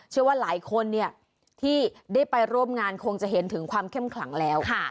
เชื่อว่าหลายคนที่ได้ไปร่วมงานคงจะเห็นถึงความเข้มขลังแล้ว